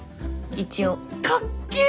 一応。かっけえ！